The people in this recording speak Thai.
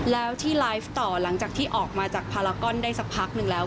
แล้วที่ไลฟ์ต่อหลังจากที่ออกมาจากพารากอนได้สักพักหนึ่งแล้ว